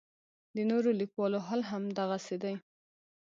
د نورو لیکوالو حال هم دغسې دی.